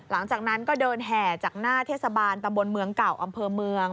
หลังจากนั้นก็เดินแห่จากหน้าเทศบาลตำบลเมืองเก่าอำเภอเมือง